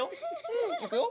うん。いくよ。